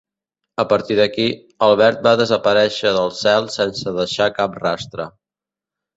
A partir d'aquí, Albert va desaparèixer del cel sense deixar cap rastre.